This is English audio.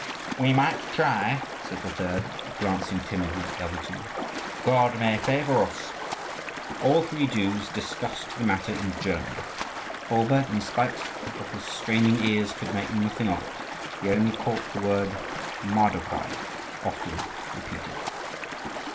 "We might try," said the third, glancing timidly at the other two. "God may favour us." All three Jews discussed the matter in German. Bulba, in spite of his straining ears, could make nothing of it; he only caught the word "Mardokhai" often repeated.